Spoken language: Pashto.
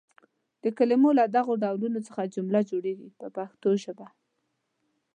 د کلمو له دغو ډولونو څخه جمله جوړیږي په پښتو ژبه.